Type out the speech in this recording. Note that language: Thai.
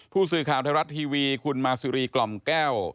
ผู้สื่อข่าวไทยรัฐทีวีคุณมาซิรีกล่อมแก้ว